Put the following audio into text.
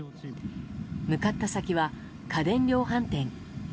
向かった先は家電量販店。